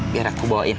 biar aku bawain